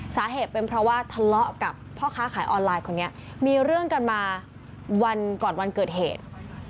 สาเหตุเป็นเพราะว่าทะเลาะกับพ่อค้าขายออนไลน์คนนี้มีเรื่องกันมาวันก่อนวันเกิดเหตุ